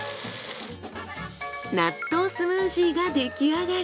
納豆スムージーが出来上がり。